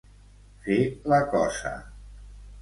Fer la cosa.